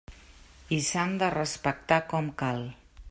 I s'han de respectar com cal.